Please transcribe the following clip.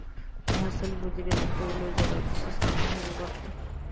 د حاصل مدیریت د ټول زراعتي سیستم مهمه برخه ده.